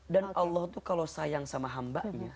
dan allah itu kalau sayang sama hambanya